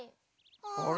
あれ？